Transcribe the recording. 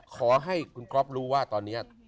ขอให้คุณก๊อฟรู้ว่าตอนนี้